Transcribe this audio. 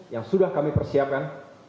yang sudah kami persiapkan